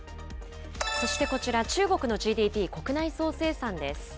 そしてこちら、中国のＧＤＰ・国内総生産です。